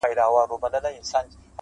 تا ولي په سوالونو کي سوالونه لټوله